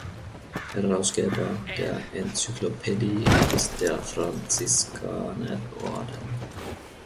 Herausgeber der Enzyklopädie ist der Franziskanerorden.